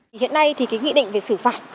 hiện nay thì cái nghị định về xử phạt